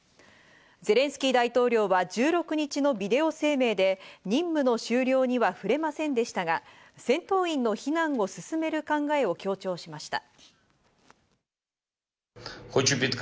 ゼレンスキー大統領は１６日のビデオ声明で、任務の終了には触れませんでしたが、戦闘員の避難を進める考えを強調しました。